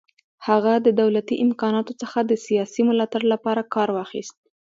هغه د دولتي امکاناتو څخه د سیاسي ملاتړ لپاره کار واخیست.